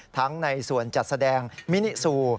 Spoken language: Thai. ทั้งในสวนจัดแสดงมินิซู